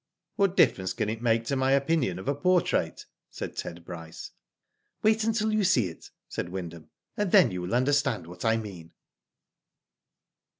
"What difference can it make to my opinion of a portrait?" said Ted Bryce. " Wait until you see it," said Wyndham, " and then you will understand what I mean."